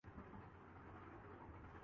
ہم پاکستانی لڑکیاں بہت مضبوط ہیں منہل سہیل